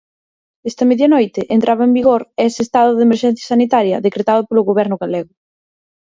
Esta medianoite entraba en vigor ese estado de emerxencia sanitaria decretado polo goberno galego.